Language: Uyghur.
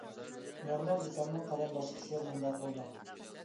نورمال زۇكامنىڭ قەدەم باسقۇچلىرى مۇنداق بولىدۇ.